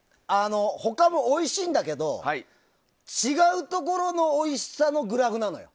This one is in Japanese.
他もおいしいんだけど違うところのおいしさのグラフなのよ。